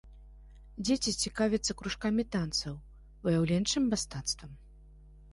Дзеці цікавяцца кружкамі танцаў, выяўленчым мастацтвам.